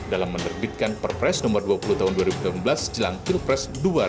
dalam menerbitkan perpres nomor dua puluh tahun dua ribu sembilan belas jelang pilpres dua ribu sembilan belas